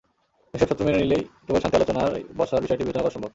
এসব শর্ত মেনে নিলেই কেবল শান্তি আলোচনায় বসার বিষয়টি বিবেচনা করা সম্ভব।